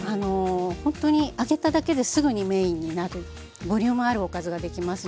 ほんとに揚げただけですぐにメインになるボリュームあるおかずができますので。